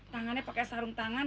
tangannya pakai sarung tangan